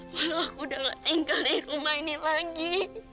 walau aku sudah tidak tinggal di rumah ini lagi